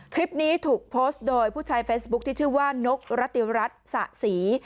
คลิปนี้ถูกโพสต์โดยผู้ใช้เฟซบุ๊คที่ชื่อว่านกรติรัฐสะศรี